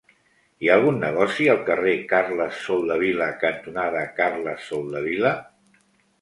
Hi ha algun negoci al carrer Carles Soldevila cantonada Carles Soldevila?